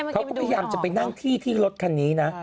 เขาก็พยายามจะไปนั่งที่ที่รถคันนี้นะ